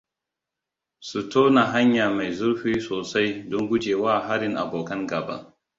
Su tona hanya mai zurfi sosai don gujewa harin abokan gaba.